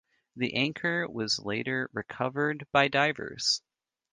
The anchor was later recovered by divers.